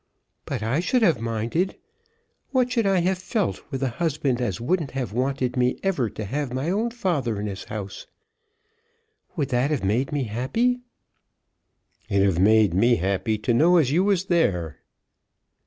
"But I should have minded. What should I have felt with a husband as wouldn't have wanted me ever to have my own father in his house? Would that have made me happy?" "It 'd 've made me happy to know as you was there."